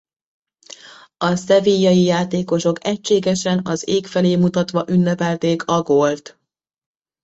A sevillai játékosok egységesen az ég felé mutatva ünnepelték a gólt.